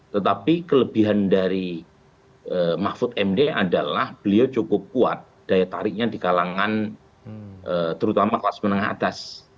tetapi kelebihan dari mahfud md adalah beliau cukup kuat daya tariknya di kalangan terutama kelas menengah atas